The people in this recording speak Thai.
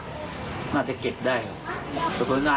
เตรียมป้องกันแชมป์ที่ไทยรัฐไฟล์นี้โดยเฉพาะ